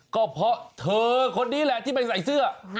ก็เพราะเธอคนนี้แหละที่ไม่ใส่เสื้อ